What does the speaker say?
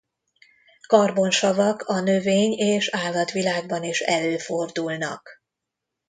Karbonsavak a növény- és állatvilágban is előfordulnak.